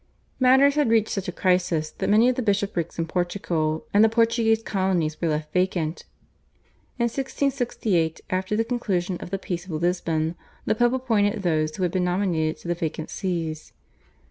Matters had reached such a crisis that many of the bishoprics in Portugal and the Portuguese colonies were left vacant. In 1668 after the conclusion of the Peace of Lisbon the Pope appointed those who had been nominated to the vacant Sees.